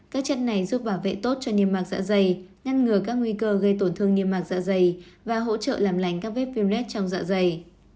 các chất này giúp bảo vệ tốt cho niềm mạc dạ dày ngăn ngừa các nguy cơ gây tổn thương niềm mạc dạ dày và hỗ trợ làm lành các vết phim nét trong dạ dày